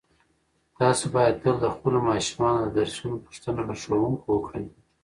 تاسو باید تل د خپلو ماشومانو د درسونو پوښتنه له ښوونکو وکړئ.